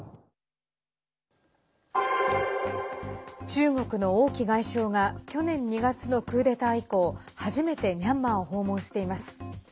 中国の王毅外相が去年２月のクーデター以降初めてミャンマーを訪問しています。